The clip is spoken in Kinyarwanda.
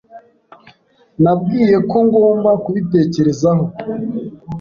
Nabwiye ko ngomba kubitekerezaho.